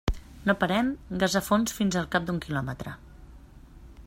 No parem, gas a fons, fins al cap d'un quilòmetre.